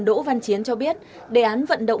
đỗ văn chiến cho biết đề án vận động